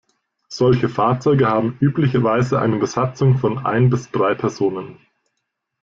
Solche Fahrzeuge haben üblicherweise eine Besatzung von ein bis drei Personen.